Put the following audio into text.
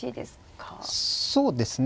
そうですね。